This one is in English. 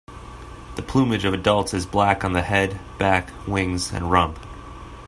The plumage of adults is black on the head, back, wings and rump.